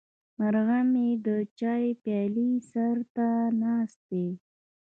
مرغه مې د چای پیاله سر ته ناست دی.